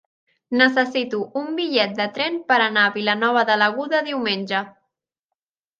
Necessito un bitllet de tren per anar a Vilanova de l'Aguda diumenge.